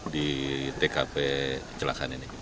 di tkp celakasan ini